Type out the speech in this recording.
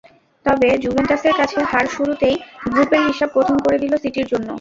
তবে জুভেন্টাসের কাছে হার শুরুতেই গ্রুপের হিসাব কঠিন করে দিল সিটির জন্য।